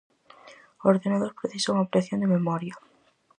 O ordenador precisa unha ampliación de memoria.